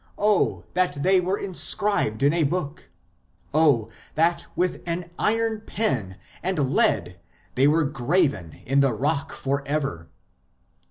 Oh that they were inscribed in a book ! Oil that with an iron pen and lead They were graven in the rock for ever